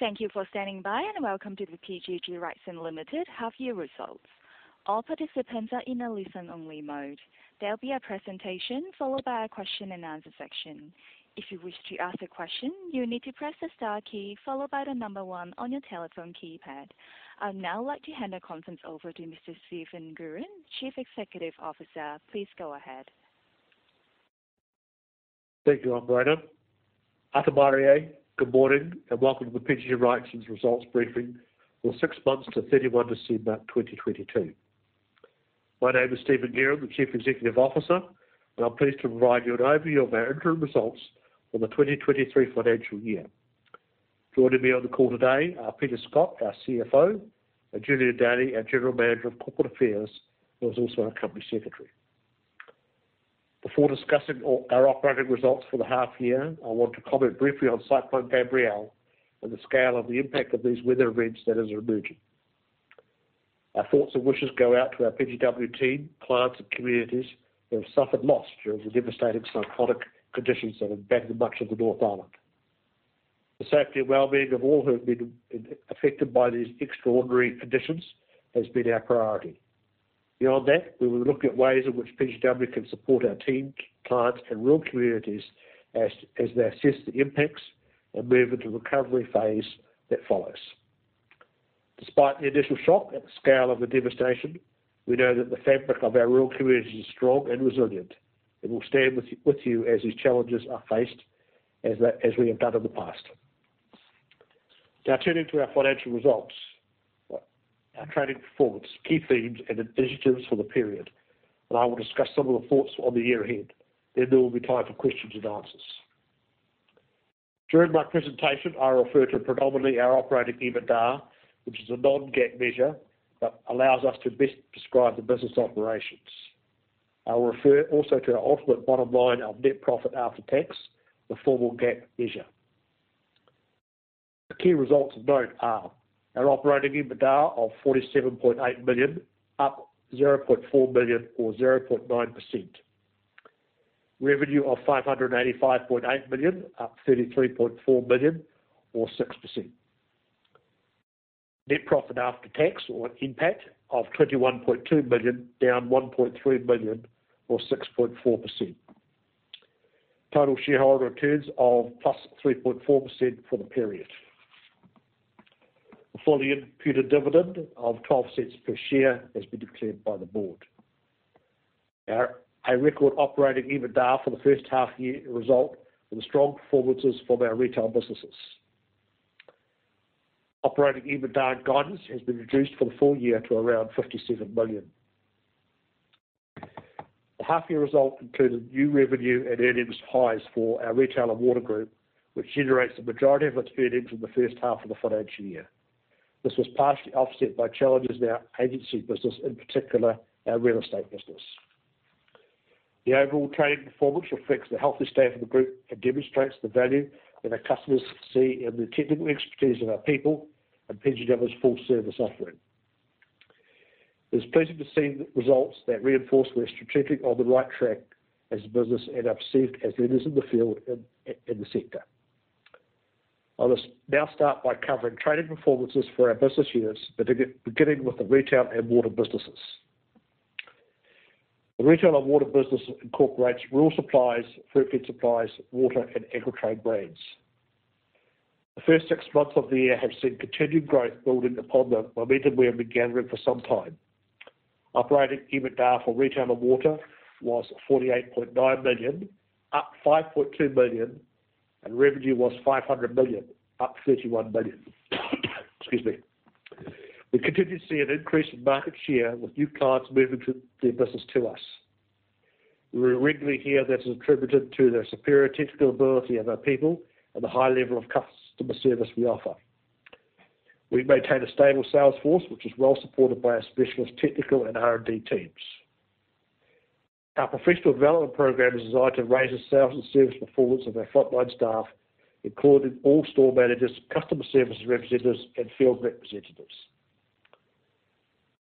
Thank you for standing by, welcome to the PGG Wrightson Limited half year results. All participants are in a listen-only mode. There'll be a presentation followed by a question and answer section. If you wish to ask a question, you need to press the star key followed by one on your telephone keypad. I'd now like to hand the conference over to Mr. Stephen Guerin, Chief Executive Officer. Please go ahead. Thank you, operator. Ata mārie. Welcome to the PGG Wrightson results briefing for six months to 31 December, 2022. My name is Stephen Guerin, the Chief Executive Officer, and I'm pleased to provide you an overview of our interim results for the 2023 financial year. Joining me on the call today are Peter Scott, our CFO, and Julian Daly, our General Manager of Corporate Affairs, who is also our Company Secretary. Before discussing our operating results for the half year, I want to comment briefly on Cyclone Gabrielle and the scale of the impact of these weather events that is emerging. Our thoughts and wishes go out to our PGW team, clients and communities who have suffered loss during the devastating cyclonic conditions that have battered much of the North Island. The safety and wellbeing of all who have been affected by these extraordinary conditions has been our priority. Beyond that, we will look at ways in which PGW can support our team, clients and rural communities as they assess the impacts and move into the recovery phase that follows. Despite the initial shock at the scale of the devastation, we know that the fabric of our rural communities is strong and resilient, and we'll stand with you as these challenges are faced as we have done in the past. Turning to our financial results, our trading performance, key themes and initiatives for the period. I will discuss some of the thoughts on the year ahead, then there will be time for questions and answers. During my presentation, I refer to predominantly our operating EBITDA, which is a non-GAAP measure that allows us to best describe the business operations. I'll refer also to our ultimate bottom line of net profit after tax, the formal GAAP measure. The key results of note are our operating EBITDA of 47.8 million, up 0.4 million or 0.9%. Revenue of 585.8 million, up 33.4 million or 6%. Net profit after tax or NPAT of 21.2 million, down 1.3 million or 6.4%. Total shareholder returns of +3.4% for the period. A fully imputed dividend of 0.12 per share has been declared by the board. A record operating EBITDA for the first half year result and the strong performances from our retail businesses. Operating EBITDA guidance has been reduced for the full year to around 57 million. The half year result included new revenue and earnings highs for our Retail & Water group, which generates the majority of its earnings in the first half of the financial year. This was partially offset by challenges in our agency business, in particular our real estate business. The overall trading performance reflects the healthy state of the group and demonstrates the value that our customers see in the technical expertise of our people and PGW's full service offering. It is pleasing to see results that reinforce we're strategically on the right track as a business and are perceived as leaders in the field in the sector. I'll just now start by covering trading performances for our business units, beginning with the Retail & Water businesses. The Retail & Water business incorporates Rural Supplies, Fruitfed Supplies, water and AgriTrade brands. The first six months of the year have seen continued growth building upon the momentum we have been gathering for some time. Operating EBITDA for Retail & Water was 48.9 million, up 5.2 million, and revenue was 500 million, up 31 million. Excuse me. We continue to see an increase in market share with new clients moving their business to us. We regularly hear that's attributed to the superior technical ability of our people and the high level of customer service we offer. We maintain a stable sales force, which is well supported by our specialist technical and R&D teams. Our professional development program is designed to raise the sales and service performance of our frontline staff, including all store managers, customer services representatives and field representatives.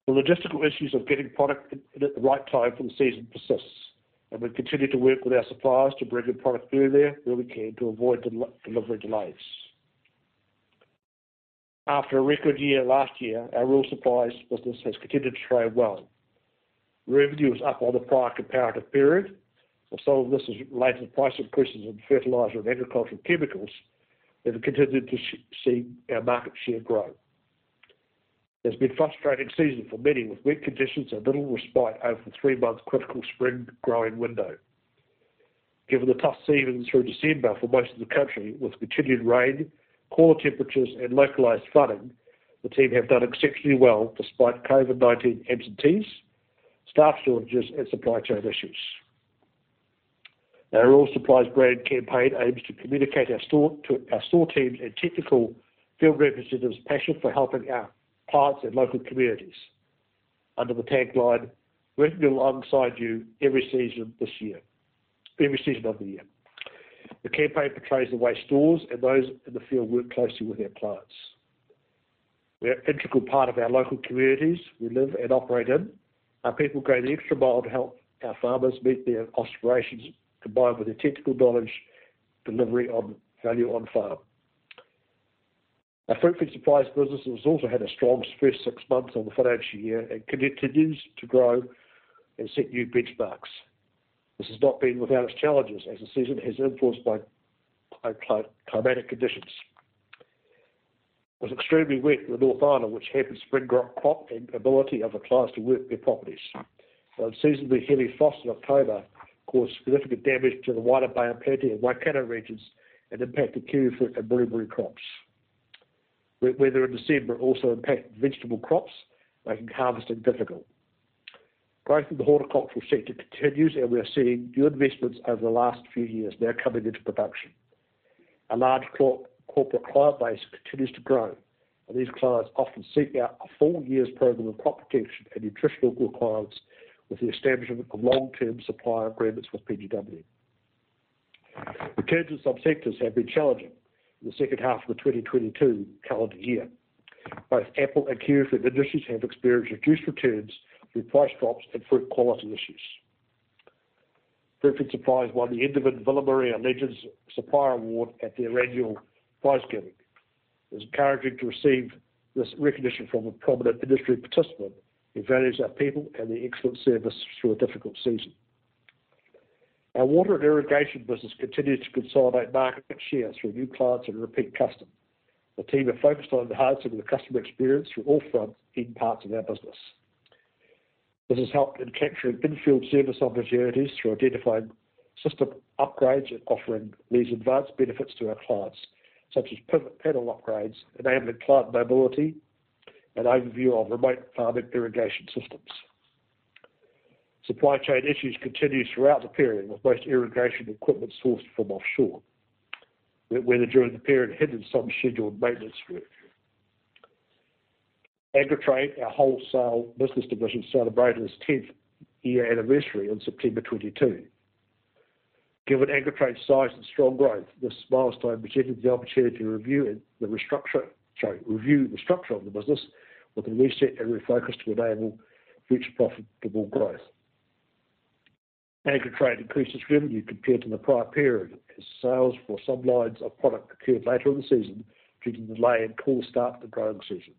The logistical issues of getting product in at the right time for the season persists. We continue to work with our suppliers to bring good product through there where we can to avoid delivery delays. After a record year last year, our Rural Supplies business has continued to trade well. Revenue is up on the prior comparative period. Some of this is related to price increases in fertilizer and agricultural chemicals. We continue to see our market share grow. It's been a frustrating season for many, with wet conditions and little respite over the three-month critical spring growing window. Given the tough season through December for most of the country, with continued rain, cooler temperatures and localized flooding, the team have done exceptionally well despite COVID-19 absentees, staff shortages and supply chain issues. Our Rural Supplies b rand campaign aims to communicate our store teams and technical field representatives' passion for helping our clients and local communities under the tagline, "Working alongside you every season of the year." The campaign portrays the way stores and those in the field work closely with our clients. We are an integral part of our local communities we live and operate in. Our people go the extra mile to help our farmers meet their aspirations, combined with their technical knowledge, delivery on value on farm. Our Fruitfed Supplies business has also had a strong first six months on the financial year and continues to grow and set new benchmarks. This has not been without its challenges, as the season is influenced by climatic conditions. It was extremely wet in the North Island, which hampered spring crop and ability of our clients to work their properties. An unseasonably heavy frost in October caused significant damage to the wider Bay of Plenty and Waikato regions, and impacted kiwifruit and blueberry crops. Wet weather in December also impacted vegetable crops, making harvesting difficult. Growth in the horticultural sector continues. We are seeing new investments over the last few years now coming into production. Our large corporate client base continues to grow. These clients often seek out a full year's program of crop protection and nutritional requirements with the establishment of long-term supplier agreements with PGW. Returns in some sectors have been challenging in the second half of the 2022 calendar year. Both apple and kiwifruit industries have experienced reduced returns through price drops and fruit quality issues. Fruitfed Supplies won the Indevin Villa Maria Legend Supplier Award at their annual prize giving. It was encouraging to receive this recognition from a prominent industry participant who values our people and their excellent service through a difficult season. Our Water and Irrigation business continued to consolidate market share through new clients and repeat custom. The team are focused on enhancing the customer experience through all fronts in parts of our business. This has helped in capturing in-field service opportunities through identifying system upgrades and offering these advanced benefits to our clients, such as panel upgrades, enabling client mobility, and overview of remote farming irrigation systems. Supply chain issues continued throughout the period, with most irrigation equipment sourced from offshore. Wet weather during the period hindered some scheduled maintenance work. AgriTrade, our wholesale business division, celebrated its 10th year anniversary on September 22. Given AgriTrade's size and strong growth, this milestone presented the opportunity to review the structure of the business with a reset and refocus to enable future profitable growth. AgriTrade increased its revenue compared to the prior period, as sales for some lines of product occurred later in the season due to the delayed cool start to the growing season.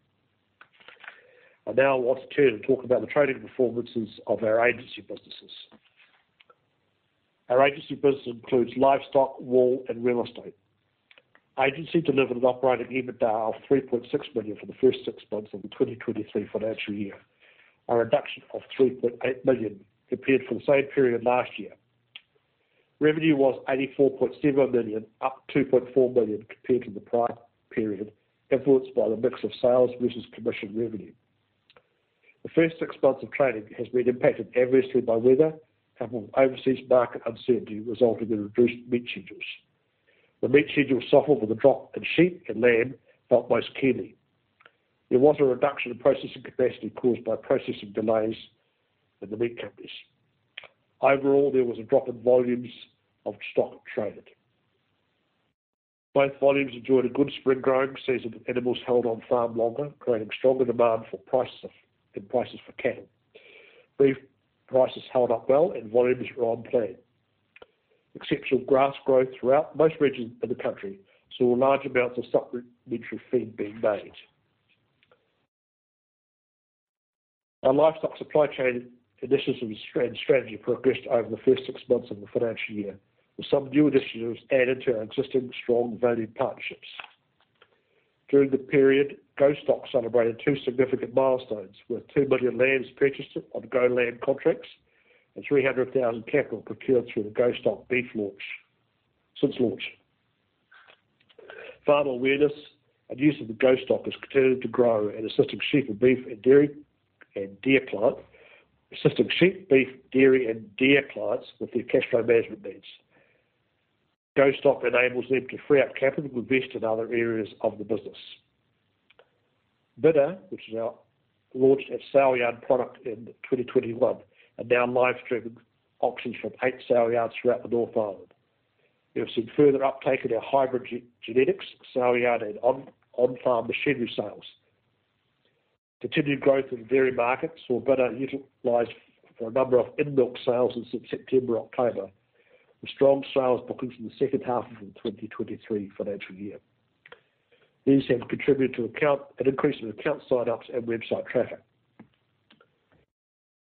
I now want to turn and talk about the trading performances of our agency businesses. Our agency business includes livestock, wool, and real estate. Agency delivered an operating EBITDA of 3.6 million for the first six months of the 2023 financial year, a reduction of 3.8 million compared from the same period last year. Revenue was 84.7 million, up 2.4 million compared to the prior period, influenced by the mix of sales versus commission revenue. The first six months of trading has been impacted adversely by weather, coupled with overseas market uncertainty resulting in reduced meat schedules. The meat schedule suffered, with a drop in sheep and lamb felt most keenly. There was a reduction in processing capacity caused by processing delays in the meat companies. Overall, there was a drop in volumes of stock traded. Both volumes enjoyed a good spring growing season, with animals held on-farm longer, creating stronger demand for prices of, and prices for cattle. Beef prices held up well and volumes were on plan. Exceptional grass growth throughout most regions of the country saw large amounts of stock winter feed being made. Our livestock supply chain initiatives and strategy progressed over the first six months of the financial year, with some new initiatives added to our existing strong valued partnerships. During the period, GO-STOCK celebrated two significant milestones, with 2 million lambs purchased on GO-LAMB contracts and 300,000 cattle procured through the GO-STOCK beef launch, since launch. Farmer awareness and use of the GO-STOCK has continued to grow and assisting sheep and beef and dairy and deer clients with their cash flow management needs. GO-STOCK enables them to free up capital to invest in other areas of the business. Bidr, which is our launched at saleyard product in 2021, are now live streaming auctions from eight saleyards throughout the North Island. We have seen further uptake in our hybrid genetics, saleyard, and on-farm machinery sales. Continued growth in the dairy markets saw bidr utilized for a number of in-milk sales in September, October, with strong sales bookings in the second half of the 2023 financial year. These have contributed to account, an increase in account sign-ups and website traffic.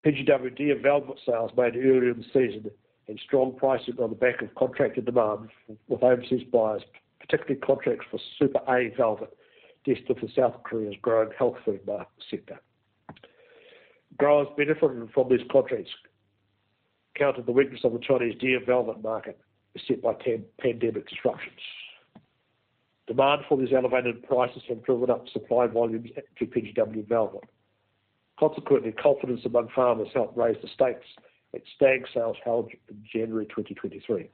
PGW deer velvet sales made earlier in the season, strong pricing on the back of contracted demand with overseas buyers, particularly contracts for Super A velvet, destined for South Korea's growing health food market sector. Growers benefiting from these contracts countered the weakness of the Chinese deer velvet market beset by pan-pandemic disruptions. Demand for these elevated prices have driven up supply volumes to PGW velvet. Consequently, confidence among farmers helped raise the stakes at stag sales held in January 2023.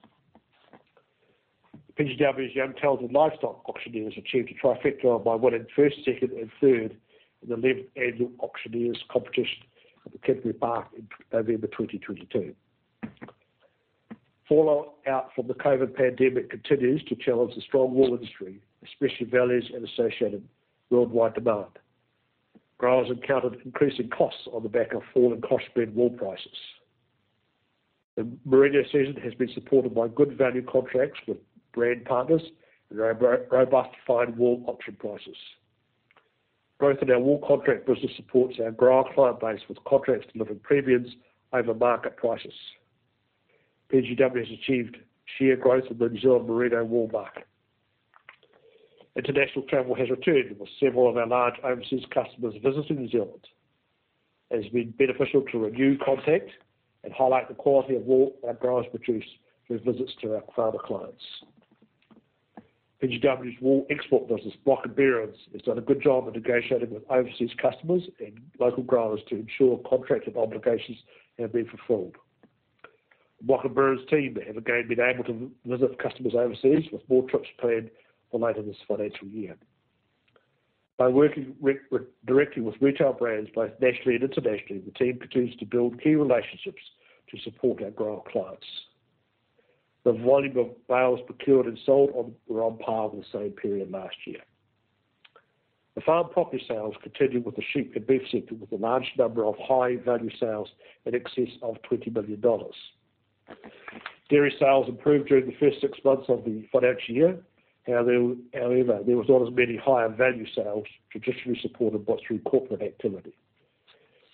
PGW's young talent livestock auctioneers achieved a trifecta by winning first, second, and third in the live animal auctioneers competition at the Canterbury Park in November 2022. Fallout from the COVID-19 pandemic continues to challenge the strong wool industry, especially values and associated worldwide demand. Growers encountered increasing costs on the back of fallen crossbred wool prices. The Merino season has been supported by good value contracts with brand partners and robust fine wool option prices. Growth in our wool contract business supports our grower client base, with contracts delivering premiums over market prices. PGW has achieved share growth in the New Zealand Merino wool market. International travel has returned, with several of our large overseas customers visiting New Zealand. It has been beneficial to renew contact and highlight the quality of wool our growers produce through visits to our farmer clients. PGW's wool export business, Bloch & Behrens, has done a good job of negotiating with overseas customers and local growers to ensure contracted obligations have been fulfilled. The Bloch & Behrens team have again been able to visit customers overseas, with more trips planned for later this financial year. By working with directly with retail brands, both nationally and internationally, the team continues to build key relationships to support our grower clients. The volume of bales procured and sold on were on par with the same period last year. The farm property sales continued with the sheep and beef sector, with a large number of high-value sales in excess of 20 million dollars. Dairy sales improved during the first six months of the financial year. However, there was not as many higher value sales traditionally supported by through corporate activity.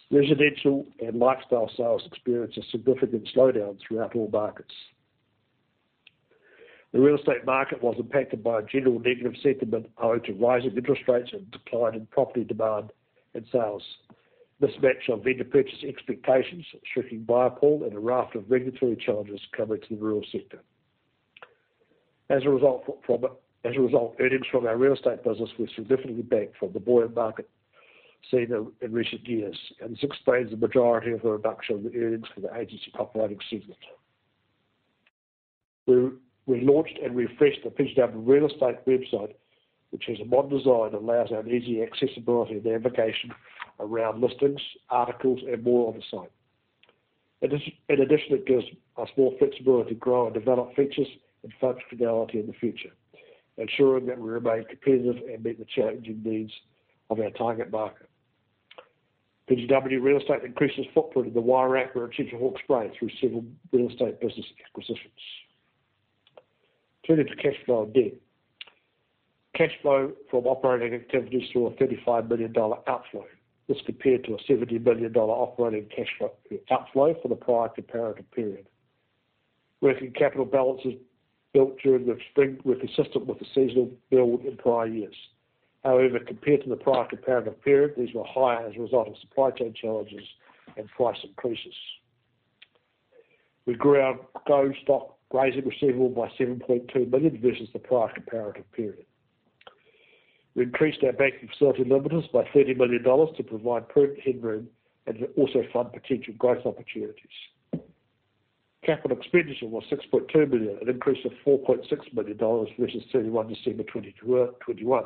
Residential and lifestyle sales experienced a significant slowdown throughout all markets. The real estate market was impacted by a general negative sentiment owed to rising interest rates and decline in property demand and sales, mismatch of vendor purchase expectations, shrinking buyer pool, and a raft of regulatory challenges coming to the rural sector. As a result, earnings from our real estate business were significantly back from the buoyant market seen in recent years. This explains the majority of the reduction of earnings for the agency operating segment. We launched and refreshed the PGW Real Estate website, which has a modern design that allows an easy accessibility and navigation around listings, articles, and more on the site. In addition, it gives us more flexibility to grow and develop features and functionality in the future, ensuring that we remain competitive and meet the changing needs of our target market. PGW Real Estate increased its footprint in the Wairarapa and Central Hawke's Bay through several real estate business acquisitions. Turning to cash flow and debt. Cash flow from operating activities saw a 35 million dollar outflow. This compared to a 70 million dollar operating cash flow outflow for the prior comparative period. Working capital balances built during the spring were consistent with the seasonal build in prior years. Compared to the prior comparative period, these were higher as a result of supply chain challenges and price increases. We grew our GO-STOCK grazing receivable by 7.2 million versus the prior comparative period. We increased our banking facility limits by 30 million dollars to provide prudent headroom and also fund potential growth opportunities. Capital expenditure was 6.2 million, an increase of 4.6 million dollars versus 31 December 2021,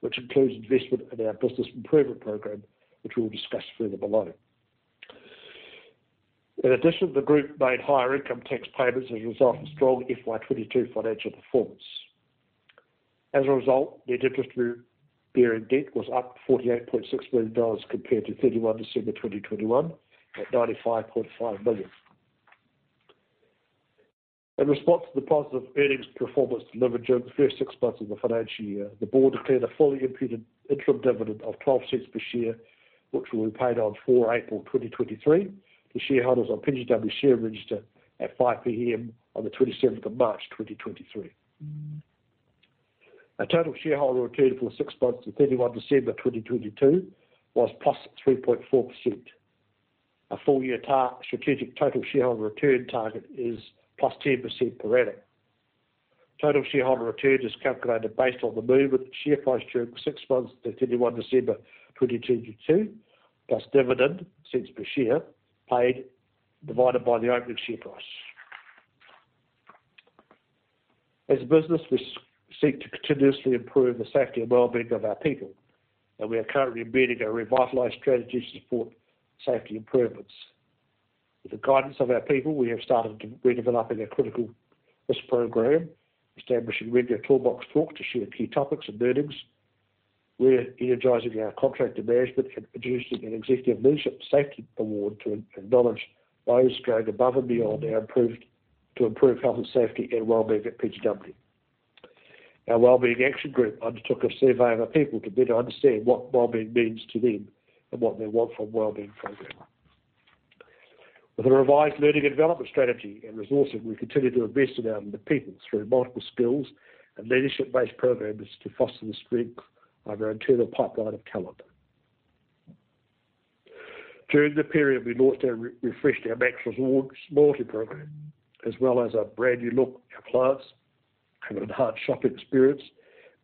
which includes investment in our business improvement program, which we'll discuss further below. The group made higher income tax payments as a result of strong FY 2022 financial performance. As a result, net interest bearing debt was up NZD 48.6 million compared to 31 December 2021 at NZD 95.5 million. In response to the positive earnings performance delivered during the first six months of the financial year, the board declared a fully imputed interim dividend of 0.12 per share, which will be paid on 4 April 2023 to shareholders on PGW share register at 5:00 P.M. on the 27th of March 2023. Our total shareholder return for six months to 31 December 2022 was +3.4%. Our full year strategic total shareholder return target is +10% per annum. Total shareholder return is calculated based on the movement in share price during the six months to 31 December 2022, plus dividend $0.01 per share paid, divided by the opening share price. As a business, we seek to continuously improve the safety and wellbeing of our people. We are currently embedding a revitalized strategy to support safety improvements. With the guidance of our people, we have started redeveloping our critical risk program, establishing regular toolbox talks to share key topics and learnings. We're energizing our contractor management and producing an executive leadership safety award to acknowledge those going above and beyond to improve health and safety and wellbeing at PGW. Our wellbeing action group undertook a survey of our people to better understand what wellbeing means to them and what they want from a wellbeing program. With a revised learning and development strategy and resourcing, we continue to invest in our people through multiple skills and leadership-based programs to foster the strength of our internal pipeline of talent. During the period, we refreshed our Max Rewards loyalty program, as well as a brand-new look, our plans, an enhanced shopping experience,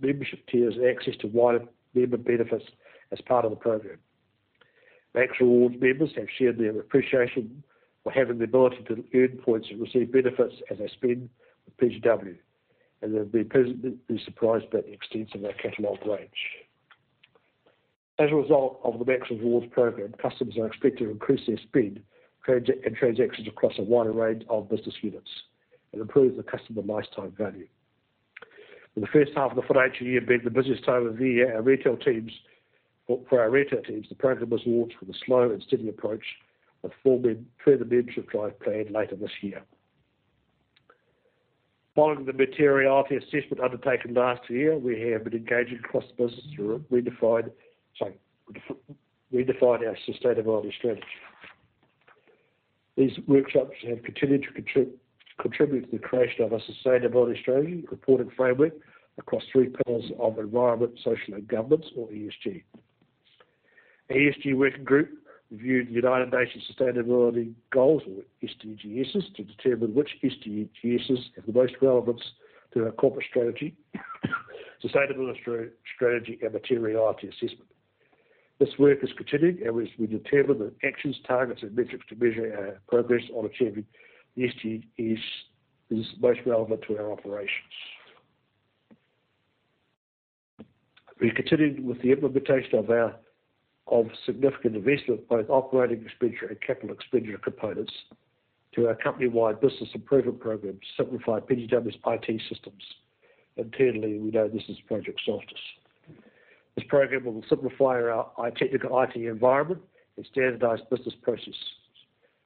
membership tiers, and access to wider member benefits as part of the program. Max Rewards members have shared their appreciation for having the ability to earn points and receive benefits as they spend with PGW. They've been pleasantly surprised by the extent of our catalog range. As a result of the Max Rewards program, customers are expected to increase their spend in transactions across a wide array of business units and improve the customer lifetime value. In the first half of the financial year being the busiest time of the year, for our retail teams, the program has launched with a slow and steady approach and forming further membership drive planned later this year. Following the materiality assessment undertaken last year, we have been engaging across the business to redefine our sustainability strategy. These workshops have continued to contribute to the creation of a sustainability strategy reporting framework across three pillars of environment, social, and governance, or ESG. ESG working group reviewed the United Nations Sustainable Development Goals or SDGs to determine which SDGs have the most relevance to our corporate strategy, sustainability strategy, and materiality assessment. This work is continuing, and we determine the actions, targets and metrics to measure our progress on achieving the SDG is most relevant to our operations. We continued with the implementation of significant investment, both Operating expenditure and Capital expenditure components, to our company-wide business improvement program to simplify PGW's IT systems. Internally, we know this as Project Softest. This program will simplify our technical IT environment and standardize business processes.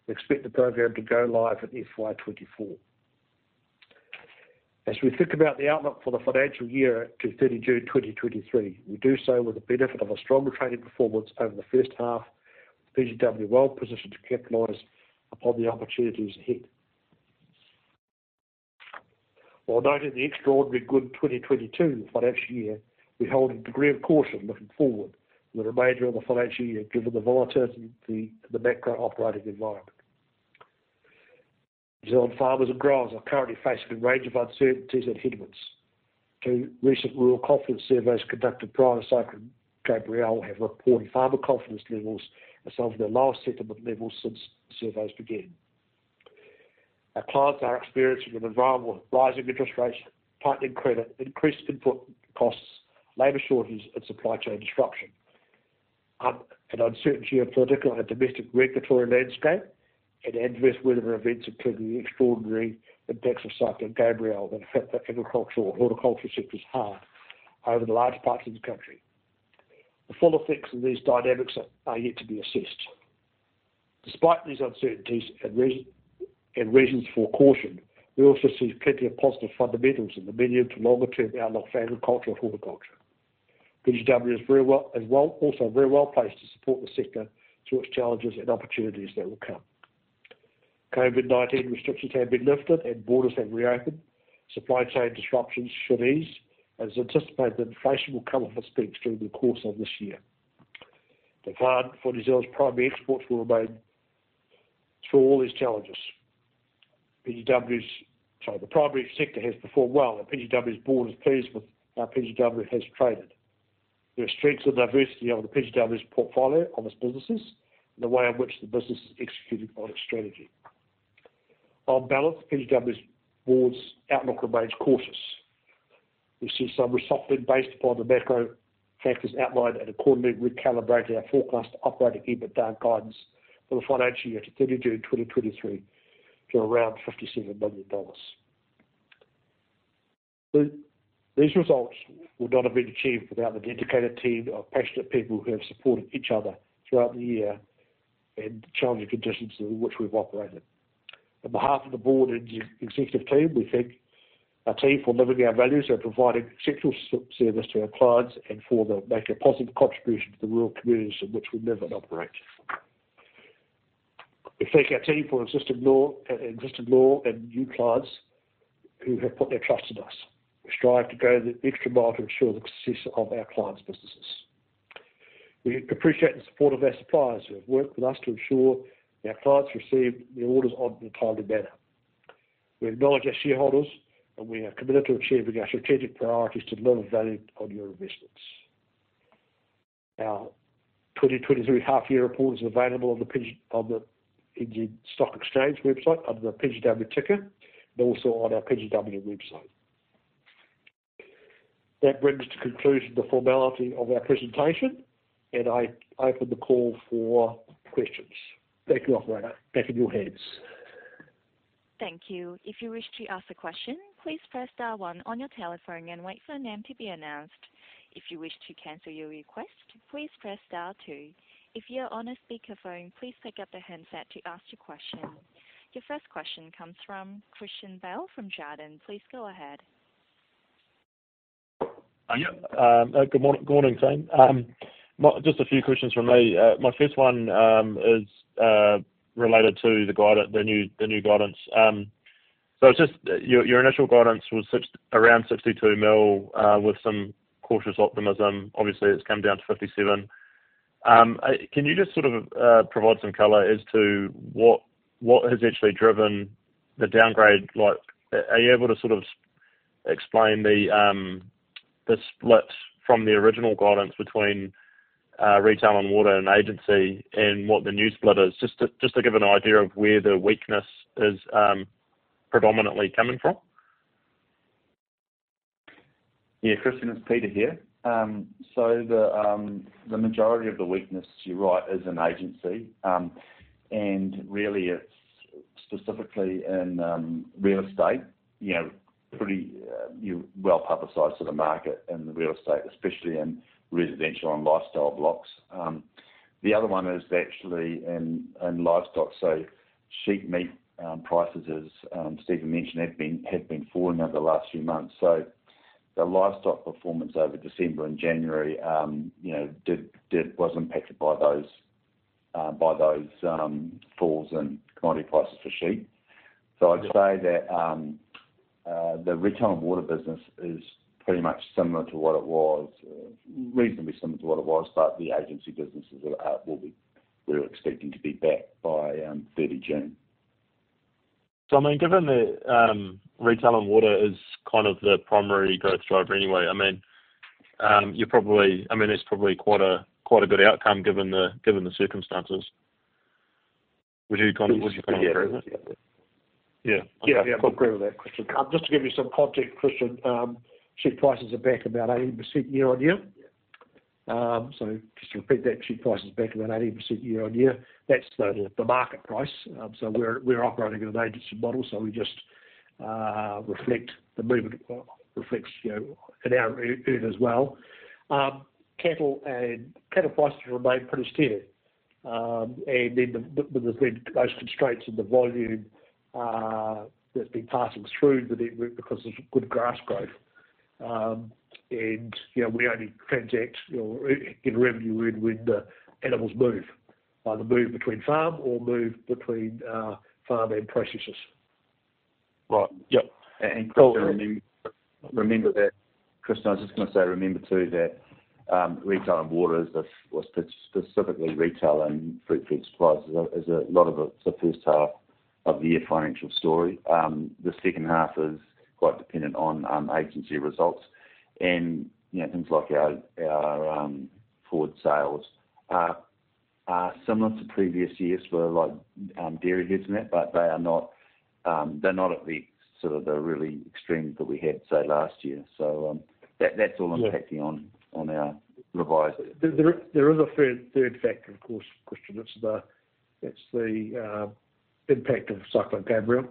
We expect the program to go live in FY 2024. As we think about the outlook for the f inancial year to June 30, 2023, we do so with the benefit of a stronger trading performance over the first half, with PGW well-positioned to capitalize upon the opportunities ahead. While noting the extraordinary good 2022 financial year, we hold a degree of caution looking forward with the remainder of the financial year, given the volatility in the macro operating environment. New Zealand farmers and growers are currently facing a range of uncertainties and hindrance. Two recent rural confidence surveys conducted prior to Cyclone Gabrielle have reported farmer confidence levels as some of their lowest sentiment levels since surveys began. Our clients are experiencing an environment of rising interest rates, tightening credit, increased input costs, labor shortages, and supply chain disruption. An uncertain geopolitical and domestic regulatory landscape and adverse weather events, including the extraordinary impacts of Cyclone Gabrielle that affect the agricultural and horticulture sectors hard over large parts of the country. The full effects of these dynamics are yet to be assessed. Despite these uncertainties and reasons for caution, we also see plenty of positive fundamentals in the medium to longer term outlook for agriculture and horticulture. PGW is also very well-placed to support the sector through its challenges and opportunities that will come. COVID-19 restrictions have been lifted, and borders have reopened. Supply chain disruptions should ease, as anticipated that inflation will come off its peak through the course of this year. The plan for New Zealand's primary exports will remain through all these challenges. PGW's... Sorry. The primary sector has performed well. PGW's board is pleased with how PGW has traded. The strength and diversity of the PGW's portfolio on its businesses and the way in which the business has executed on its strategy. On balance, PGW's board's outlook remains cautious. We see some softening based upon the macro factors outlined and accordingly recalibrating our forecast operating EBITDA guidance for the financial year to 30 June 2023 to around 57 million dollars. These results would not have been achieved without the dedicated team of passionate people who have supported each other throughout the year in the challenging conditions in which we've operated. On behalf of the board and the executive team, we thank our team for living our values and providing exceptional service to our clients and for making a positive contribution to the rural communities in which we live and operate. We thank our team for existing new clients who have put their trust in us. We strive to go the extra mile to ensure the success of our clients' businesses. We appreciate the support of our suppliers who have worked with us to ensure our clients receive their orders on a timely manner. We acknowledge our shareholders, and we are committed to achieving our strategic priorities to deliver value on your investments. Our 2023 half year report is available on the NZ Stock Exchange website under the PGW ticker, and also on our PGW website. That brings to conclusion the formality of our presentation, and I open the call for questions. Thank you, Operator. Back in your hands. Thank you. If you wish to ask a question, please press star one on your telephone and wait for your name to be announced. If you wish to cancel your request, please press star two. If you're on a speakerphone, please pick up the handset to ask your question. Your first question comes from Christian Bell from Jarden. Please go ahead. Good morning, team. Well, just a few questions from me. My first one is related to the new guidance. So just your initial guidance was around 62 million, with some cautious optimism. Obviously, it's come down to 57 million. Can you just sort of provide some color as to what has actually driven the downgrade? Are you able to sort of explain the split from the original guidance between Retail & Water and agency and what the new split is? Just to give an idea of where the weakness is predominantly coming from. Yeah, Christian, it's Peter here. The majority of the weakness, you're right, is in agency, and really it's specifically in real estate. You know, pretty well publicized to the market in the real estate, especially in residential and lifestyle blocks. The other one is actually in livestock. Sheep meat prices, as Stephen mentioned, have been falling over the last few months. The livestock performance over December and January, you know, was impacted by those falls in commodity prices for sheep. I'd say that the Retail & Water business is pretty much similar to what it was, reasonably similar to what it was, but the agency businesses we're expecting to be back by 30 June. I mean, given the, Retail & Water is kind of the primary growth driver anyway, I mean, it's probably quite a, quite a good outcome given the, given the circumstances. Would you kind of agree with it? Yeah. Yeah. Yeah. I'd agree with that, Christian. Just to give you some context, Christian, sheep prices are back about 80% year-on-year. Just to repeat that, sheep price is back about 80% year-on-year. That's the market price. We're operating in an agency model, so we just reflect the movement, reflects, you know, in our earn as well. Cattle and cattle prices remain pretty steady. There's been those constraints in the volume, that's been passing through the Right. Yep. Christian, I was just gonna say remember too that Retail & Water or specifically Retail & Fruitfed Supplies is a lot of it's a first half of the year financial story. The second half is quite dependent on agency results and, you know, things like our forward sales are similar to previous years for like dairy goods and that, but they are not, they're not at the sort of the really extremes that we had, say, last year. That's all impacting. Yeah -on, on our revised There is a third factor, of course, Christian. It's the impact of Cyclone Gabrielle.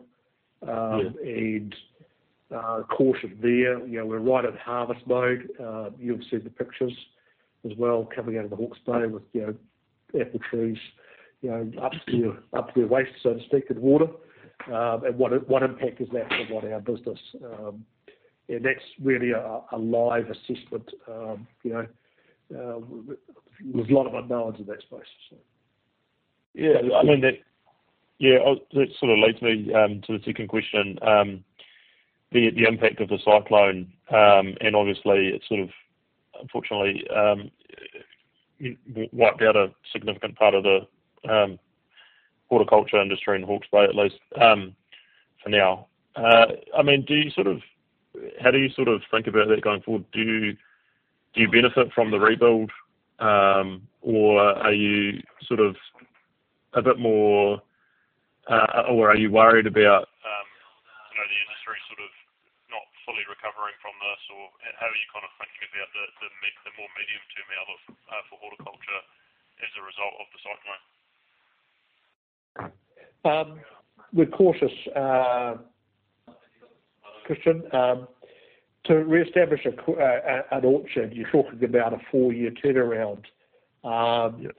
Yeah Caution there. You know, we're right at harvest mode. You'll have seen the pictures as well coming out of the Hawke's Bay with, you know, apple trees, you know, up to your waist, so to speak, in water. What impact does that have on our business? That's really a live assessment. You know, there's a lot of unknowns in that space. Yeah, I mean, that. Yeah, that sort of leads me to the second question. The impact of the cyclone. Obviously it sort of unfortunately wiped out a significant part of the horticulture industry in Hawke's Bay, at least, for now. I mean, how do you sort of think about that going forward? Do you, do you benefit from the rebuild, or are you sort of a bit more, or are you worried about, you know, the industry sort of not fully recovering from this? How are you kind of thinking about the more medium-term outlook for horticulture as a result of the cyclone? We're cautious, Christian, to reestablish an orchard, you're talking about a four-year turnaround. Yeah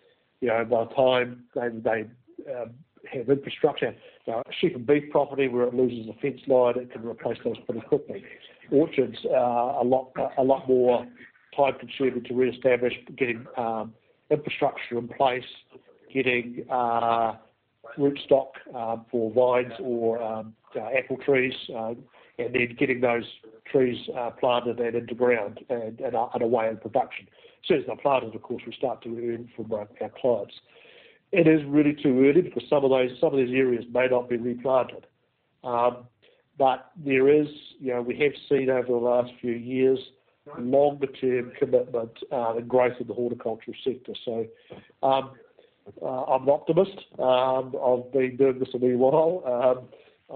You know, by the time they have infrastructure. A sheep and beef property where it loses a fence line, it can replace those pretty quickly. Orchards are a lot more time-consuming to reestablish, getting infrastructure in place, getting rootstock for vines or apple trees, and then getting those trees planted and into ground and away in production. Soon as they're planted, of course, we start to earn from our clients. It is really too early because some of these areas may not be replanted. There is, you know, we have seen over the last few years a longer-term commitment, the growth of the horticulture sector. I'm optimist. I've been doing this a wee while.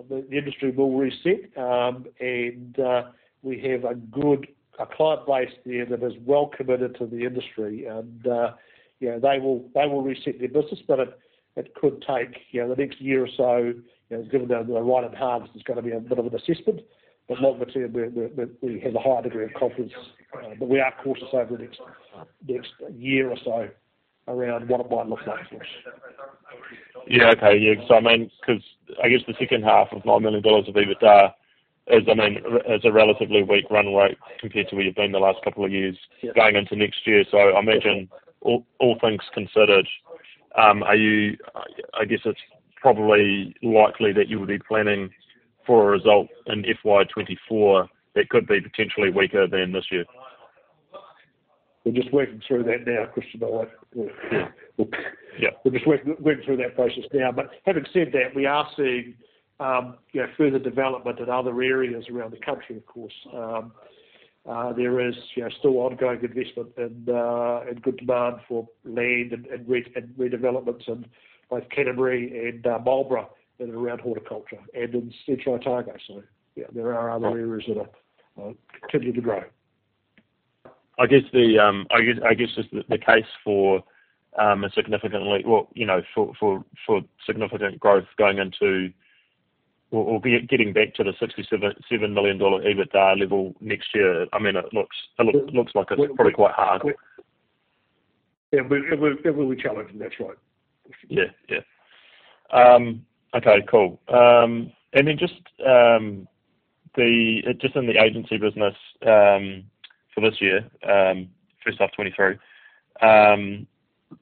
The industry will reset, and we have a good, a client base there that is well committed to the industry and, you know, they will reset their business. It could take, you know, the next year or so, you know, given they're right at harvest, there's gonna be a bit of an assessment, but longer-term we have a high degree of confidence. We are cautious over the next year or so around what it might look like for us. Yeah. Okay. Yeah. I mean, 'cause I guess the second half of 9 million dollars of EBITDA is, I mean, is a relatively weak run rate compared to where you've been the last couple of years. Yeah going into next year. I imagine all things considered, are you... I guess it's probably likely that you would be planning for a result in FY 2024 that could be potentially weaker than this year. We're just working through that now, Christian. I. Yeah. We'll just work through that process now. Having said that, we are seeing, you know, further development in other areas around the country, of course. There is, you know, still ongoing investment and good demand for land and redevelopments in both Canterbury and Marlborough and around horticulture and in Central Otago. Yeah, there are other areas that are continuing to grow. I guess the, I guess just the case for a significantly or, you know, for significant growth going into or be it getting back to the 67.7 million dollar EBITDA level next year, I mean it looks like it's probably quite hard. Yeah. It will be challenging. That's right. Yeah. Okay, cool. Just in the agency business, for this year, first of 2023,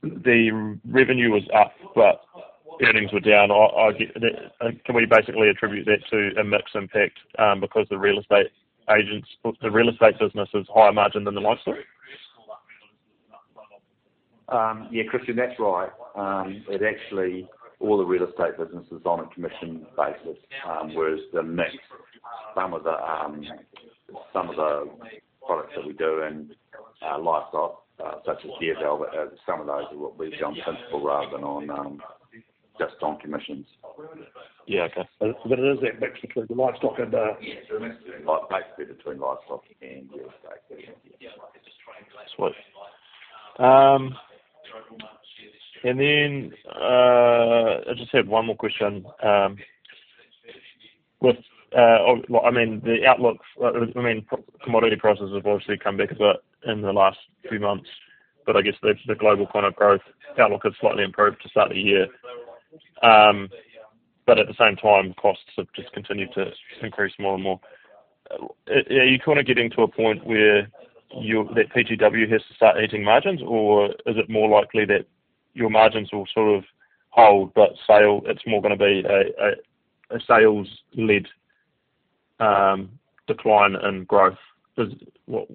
the revenue was up, but earnings were down. I get. Can we basically attribute that to a mix impact, because the real estate agents or the real estate business is higher margin than the livestock? Yeah, Christian, that's right. It actually, all the real estate business is on a commission basis, whereas the mix, some of the, some of the products that we do in livestock, such as D&L, some of those we've gone principal rather than on just on commissions. Yeah. Okay. it is a mix between the livestock and Yeah. A mix between livestock and real estate. That's right. Then I just had one more question. With, well, I mean, the outlook, I mean, commodity prices have obviously come back a bit in the last few months, but I guess the global kind of growth outlook has slightly improved to start the year. At the same time, costs have just continued to increase more and more. Are you kinda getting to a point where that PGW has to start eating margins, or is it more likely that your margins will sort of hold but sale, it's more gonna be a sales-led decline in growth? Well,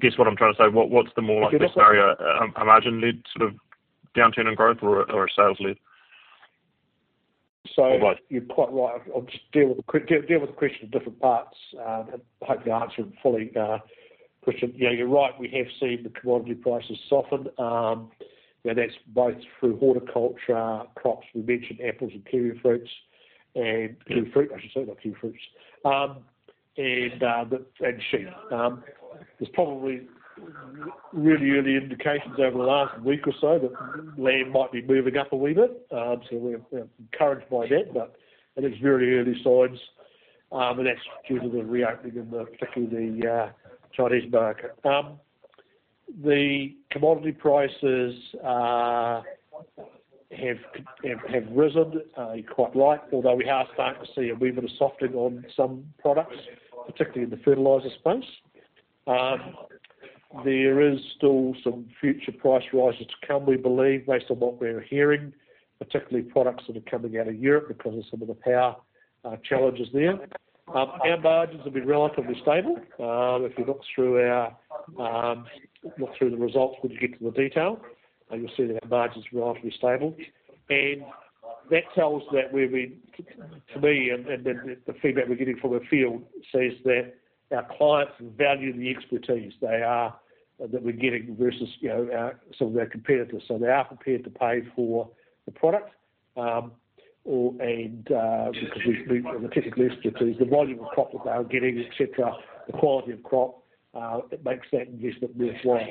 guess what I'm trying to say? What's the more likely scenario, a margin-led sort of downturn in growth or a sales-led? Both. You're quite right. I'll just deal with the question in different parts. Hope to answer them fully, Christian. Yeah, you're right. We have seen the commodity prices soften. That's both through horticulture crops. We mentioned apples and kiwi fruits and kiwi fruit, I should say, not kiwi fruits. Sheep. There's probably really early indications over the last week or so that lamb might be moving up a wee bit. We're encouraged by that, but I think it's very early signs. That's due to the reopening of particularly the Chinese market. The commodity prices have risen quite a lot, although we are starting to see a wee bit of softening on some products, particularly in the fertilizer space. There is still some future price rises to come, we believe, based on what we're hearing, particularly products that are coming out of Europe because of some of the power challenges there. Our margins have been relatively stable. If you look through our look through the results when you get to the detail, you'll see that our margin's relatively stable. That tells that we've been, to me, and the feedback we're getting from the field says that our clients value the expertise they are, that we're getting versus, you know, our, some of our competitors. They are prepared to pay for the product, or, and, because we particularly expertise the volume of crop that they are getting, et cetera, the quality of crop, it makes that investment worthwhile.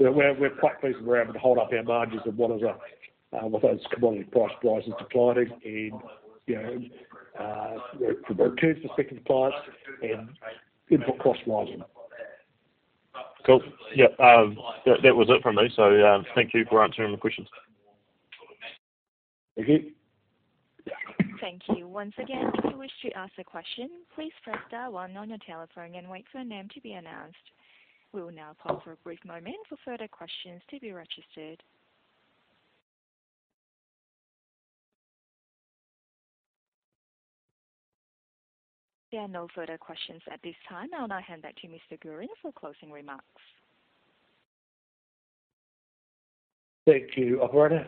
Yeah, we're quite pleased that we're able to hold up our margins with those commodity price rises to clients and, you know, returns to second clients and input costs rising. Cool. Yeah. That was it from me. Thank you for answering the questions. Thank you. Thank you. Once again, if you wish to ask a question, please press star one on your telephone and wait for your name to be announced. We will now pause for a brief moment for further questions to be registered. There are no further questions at this time. I'll now hand back to Mr. Guerin for closing remarks. Thank you, Operator.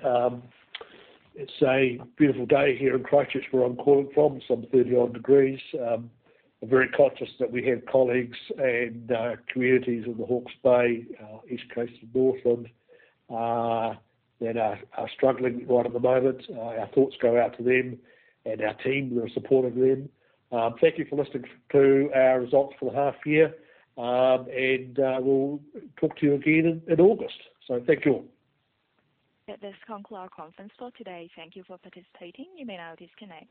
It's a beautiful day here in Christchurch, where I'm calling from. It's some 30-odd degrees. I'm very conscious that we have colleagues and communities in the Hawke's Bay, East Coast of Northland, that are struggling right at the moment. Our thoughts go out to them and our team. We're supporting them. Thank you for listening to our results for the half year. And we'll talk to you again in August. Thank you all. That does conclude our conference call today. Thank you for participating. You may now disconnect.